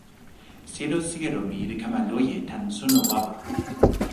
selo sijelo mi li kama loje tan suno wawa.